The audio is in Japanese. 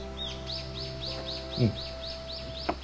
うん。